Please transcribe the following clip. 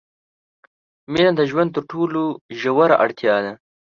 مینه د ژوند تر ټولو ژوره اړتیا ده.